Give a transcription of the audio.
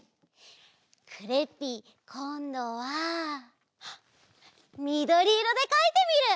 クレッピーこんどはみどりいろでかいてみる！